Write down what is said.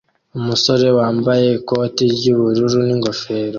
Umusore wambaye ikoti ry'ubururu n'ingofero